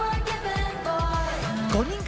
５人組